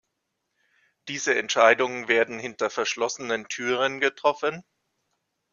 Diese Entscheidungen werden hinter verschlossenen Türen getroffen.